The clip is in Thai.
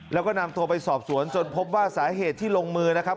แล้วก็นำตัวไปสอบสวนจนพบว่าสาเหตุที่ลงมือนะครับ